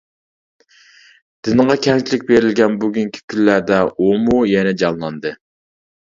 دىنغا كەڭچىلىك بېرىلگەن بۈگۈنكى كۈنلەردە ئۇمۇ يەنە جانلاندى.